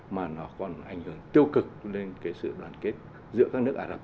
mà nó còn ảnh hưởng tiêu cực lên cái sự đoàn kết giữa các nước